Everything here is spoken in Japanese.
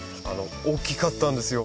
大きかったんですよ。